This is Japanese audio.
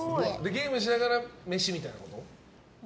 ゲームしながら飯みたいなこと？